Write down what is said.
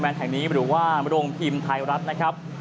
แหล่งแห่งนี้มาดูว่าโรงพิมพ์ไทยรัฐนะครับ